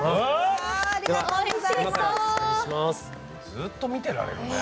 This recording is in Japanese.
ずっと見てられるね。